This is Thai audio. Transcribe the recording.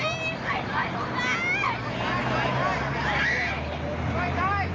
เอาอัศวินทรีย์ชิมขายคนอาหารอองค์